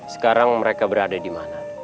sekarang mereka berada di mana